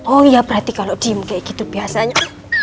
oh ya berarti kalau diem kayak gitu biasanya